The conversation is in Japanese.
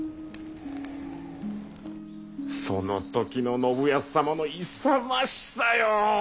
その時の信康様の勇ましさよ！